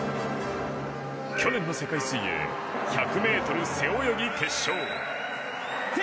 去年の世界水泳１００ｍ背泳ぎ決勝。